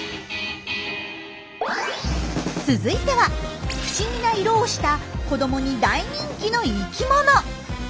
続いては不思議な色をした子どもに大人気の生きもの。